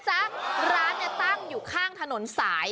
จังหวัดอุทัยธานีร้านตั้งอยู่ข้างถนนสาย